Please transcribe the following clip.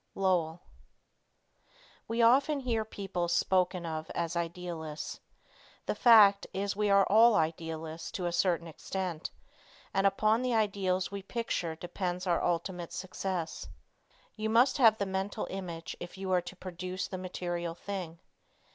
Lowell. We often hear people spoken of as idealists. The fact is we are all idealists to a certain extent, and upon the ideals we picture depends our ultimate success. You must have the mental image if you are to produce the material thing.